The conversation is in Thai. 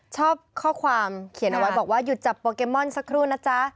ชอบข้อความเขียนเอาไว้บอกว่าหยุดจับโปเกมอนสักครู่นะจ๊ะ